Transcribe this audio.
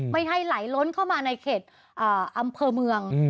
ไม่ให้ไหลล้นเข้ามาในเขตอำเภอเมือง